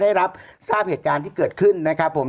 ได้รับทราบเหตุการณ์ที่เกิดขึ้นนะครับผม